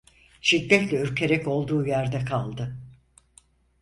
Şiddetle ürkerek olduğu yerde kaldı.